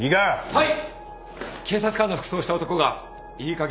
はい。